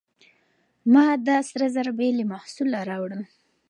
ما دا سره زر بې له محصوله راوړل.